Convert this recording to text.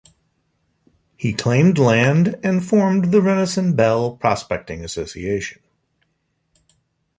He claimed land and formed the Renison Bell Prospecting Association.